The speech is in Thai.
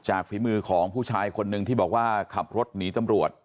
ฝีมือของผู้ชายคนหนึ่งที่บอกว่าขับรถหนีตำรวจ